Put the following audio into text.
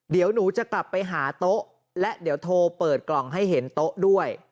เดี๋ยวหนูจะกลับไปหาโต๊ะและเดี๋ยวโทรเปิดกล่องให้เห็นโต๊ะด้วย